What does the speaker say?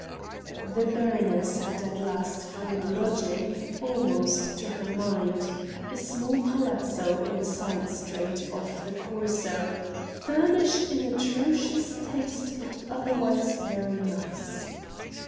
The baroness had at last found a lodging, almost to her mind: a small palazzo in a side street, off the Corso, "furnished in atrocious taste, but otherwise very nice."